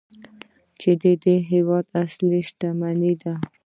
چې د دې هیواد اصلي شتمني ده.